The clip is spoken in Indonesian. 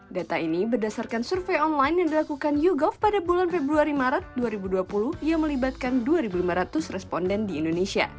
data ini berdasarkan survei online yang dilakukan yogov pada bulan februari maret dua ribu dua puluh yang melibatkan dua lima ratus responden di indonesia